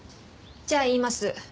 じゃあ言います。